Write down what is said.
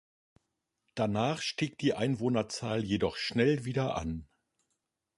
Danach stieg die Einwohnerzahl jedoch schnell wieder an.